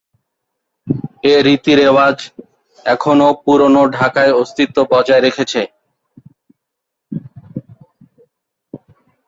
এ রীতি-রেওয়াজ এখনো পুরনো ঢাকায় অস্তিত্ব বজায় রেখেছে।